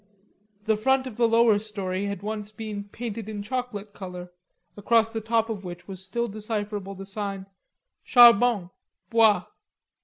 The front of the lower storey had once been painted in chocolate color, across the top of which was still decipherable the sign: "Charbon, Bois.